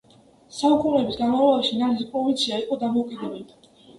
საუკუნეების განმავლობაში, ნანის პროვინცია იყო დამოუკიდებელი.